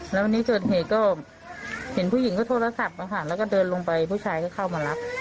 แล้ววันนี้เกิดเหตุก็เห็นผู้หญิงก็โทรศัพท์มาค่ะแล้วก็เดินลงไปผู้ชายก็เข้ามารับ